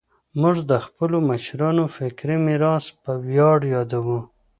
موږ د خپلو مشرانو فکري میراث په ویاړ یادوو.